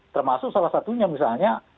termasuk salah satunya misalnya